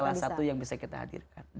salah satu yang bisa kita hadirkan